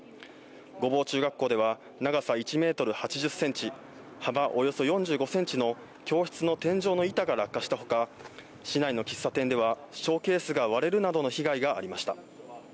御坊中学校では長さ１メートル８０センチ、幅およそ４５センチの教室の天井の板が落下したほか、市内の喫茶店では、ショーケースが割れるなどの被害がありました。